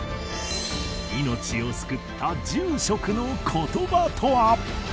命を救った住職の言葉とは？